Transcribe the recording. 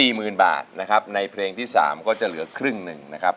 หมื่นบาทนะครับในเพลงที่๓ก็จะเหลือครึ่งหนึ่งนะครับ